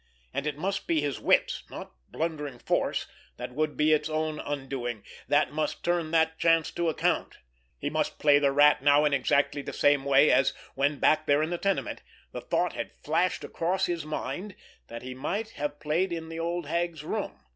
And it must be his wits, not blundering force, that would be its own undoing, that must turn that chance to account. He must play the Rat now in exactly the same way as, when back there in the tenement, the thought had flashed across his mind that he might have played it in the old hag's room.